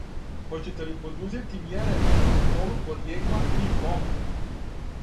Хоћете ли подузети мјере за контролу поријекла тих роба?